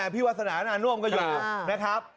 พี่วาสนานาน่วมก็อยู่นะครับ